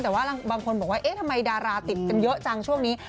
แต่ว่าบางคนบอกว่าเอ๊ะทำไมดาราติดกันเยอะจังช่วงนี้